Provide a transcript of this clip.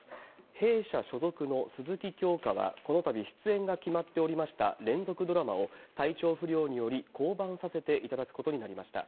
弊社所属の鈴木京香は、このたび、出演が決まっておりました連続ドラマを体調不良により降板させていただくことになりました。